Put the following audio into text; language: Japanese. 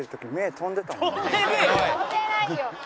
飛んでないよ！